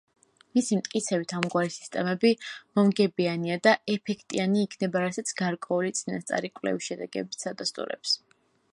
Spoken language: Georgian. მისი მტკიცებით ამგვარი სისტემები მომგებიანი და ეფექტიანი იქნება, რასაც გარკვეული წინასწარი კვლევის შედეგებიც ადასტურებს.